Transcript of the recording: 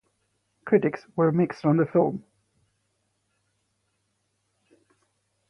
Critics were mixed on the film.